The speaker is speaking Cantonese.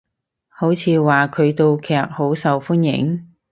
好似話佢套劇好受歡迎？